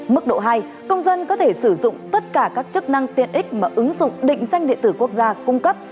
mức độ hai công dân có thể sử dụng tất cả các chức năng tiện ích mà ứng dụng định danh điện tử quốc gia cung cấp